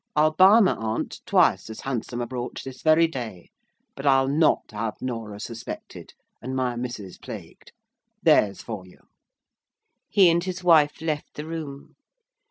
I'll buy my aunt twice as handsome a brooch this very day; but I'll not have Norah suspected, and my missus plagued. There's for you." He and his wife left the room.